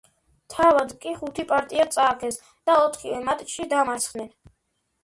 თავად კი ხუთი პარტია წააგეს და ოთხივე მატჩში დამარცხდნენ.